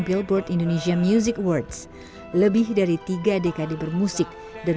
billboard indonesia music awards lebih dari tiga dekade bermusik dan